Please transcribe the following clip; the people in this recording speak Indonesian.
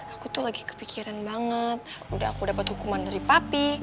aku tuh lagi kepikiran banget udah aku dapat hukuman dari papi